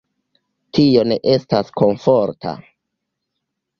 Tio ne estas komforta.